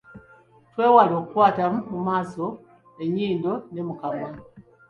Twewale okukwata mu maaso, ennyindo ne mu kamwa.